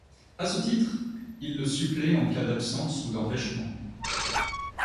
À ce titre, il le supplée en cas d'absence ou d'empêchement.